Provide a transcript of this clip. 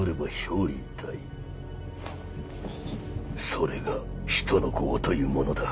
それが人の業というものだ。